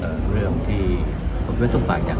ภาพรู้สึกโดนได้พยาบไว้จำเลยครับ